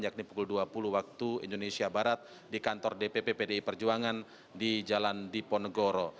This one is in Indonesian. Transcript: yakni pukul dua puluh waktu indonesia barat di kantor dpp pdi perjuangan di jalan diponegoro